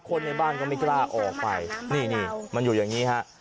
คนในบ้านก็ไม่กล้าออกไปนี่นี่มันอยู่อย่างนี้ฮะ